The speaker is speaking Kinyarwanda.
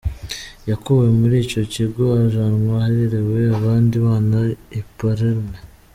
Yakuwe muri ico kigo ajanwa aharerewe abandi bana I Palerme.